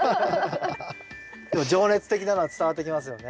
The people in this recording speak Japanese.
でも情熱的なのは伝わってきますよね。